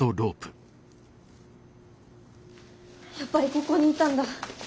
やっぱりここにいたんだ。